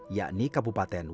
yakni kabupaten wajah